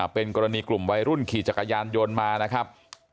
เป็นกรณีกลุ่มวัยรุ่นขี่จักรยานยนต์มานะครับ